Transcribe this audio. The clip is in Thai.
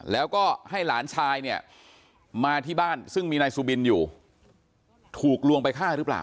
แล้วก็ให้หลานชายเนี่ยมาที่บ้านซึ่งมีนายสุบินอยู่ถูกลวงไปฆ่าหรือเปล่า